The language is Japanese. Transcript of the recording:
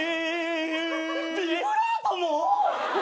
ビブラートも！？